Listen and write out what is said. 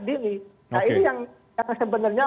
dini nah ini yang sebenarnya